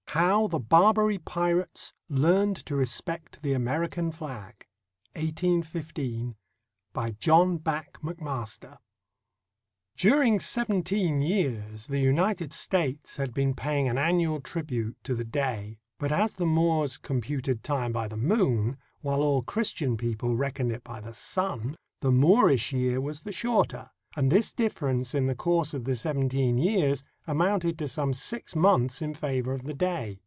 HOW THE BARBARY PIRATES LEARNED TO RESPECT THE AMERICAN FLAG [i8is] BY JOHN BACH McMASTER During seventeen years the United States had been paying an annual tribute to the Dey; but as the Moors computed time by the moon, while all Christian people reckoned it by the sun, the Moorish year was the shorter, and this difference in the course of the seven teen years amounted to some six months in favor of the Dey.